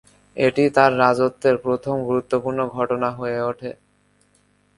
এটি তার রাজত্বের প্রথম গুরুত্বপূর্ণ ঘটনা হয়ে ওঠে।